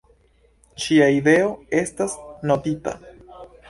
Ĉia ideo estas notita.